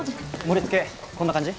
盛りつけこんな感じ？